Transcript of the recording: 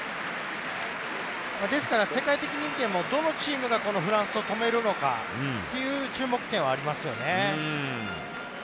世界的に見てもどのチームがフランスを止めるのかという注目ではありますよね。